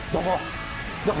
どこ？